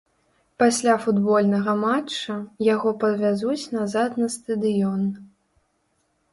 Пасля футбольнага матча яго павязуць назад на стадыён.